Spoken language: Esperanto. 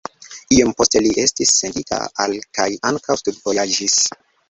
Iom poste li estis sendita al kaj ankaŭ studvojaĝis.